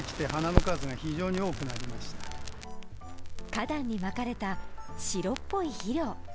花壇にまかれた白っぽい肥料。